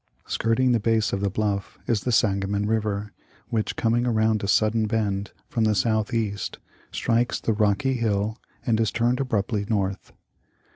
Skirting the base of tke bluff is the Sangamon river, which, coming around a sudden bend from the south east, strikes the rocky hill and is turned abruptly north.